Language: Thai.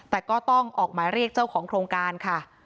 แต่ก็ต้องออกหมายเรียกเจ้าของโครงการค่ะ